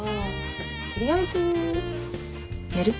取りあえず寝る？